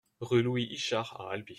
Rue Louis Ichard à Albi